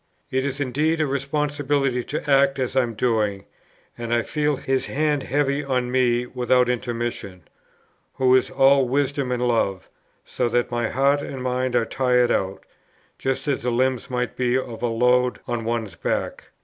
It is indeed a responsibility to act as I am doing; and I feel His hand heavy on me without intermission, who is all Wisdom and Love, so that my heart and mind are tired out, just as the limbs might be from a load on one's back.